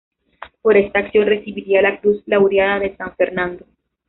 Por esta acción recibiría la Cruz Laureada de San Fernando.